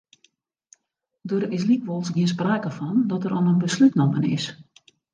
Der is lykwols gjin sprake fan dat der al in beslút nommen is.